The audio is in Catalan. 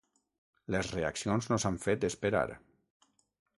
Les reaccions no s’han fet esperar.